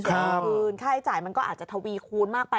ค่าใช้จ่ายมันก็อาจจะทวีคูณมากไป